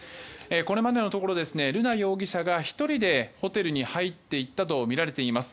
これまでのところ瑠奈容疑者が１人でホテルに入っていったとみられています。